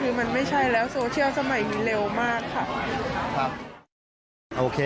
คือมันไม่ใช่แล้วโซเชียลสมัยมึงเร็วมากค่ะ